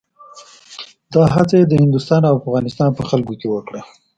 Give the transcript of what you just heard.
دا هڅه یې د هندوستان او افغانستان په خلکو کې وکړه.